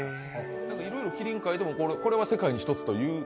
いろいろきりん描いてもこれは世界で一つという？